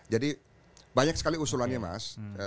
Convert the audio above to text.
jadi banyak sekali usulannya mas